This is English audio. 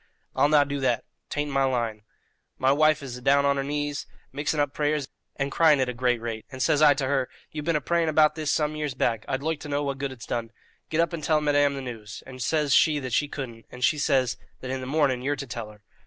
"I'll not do that. 'Tain't in my line. My wife is adown on her knees, mixing up prayers and crying at a great rate; and says I to her, 'You've been a praying about this some years back; I'd loike to know what good it's done. Get up and tell madame the news;' and says she that she couldn't, and she says that in the morning you're to tell her."